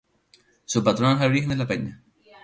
Su patrona es la Virgen de la Peña.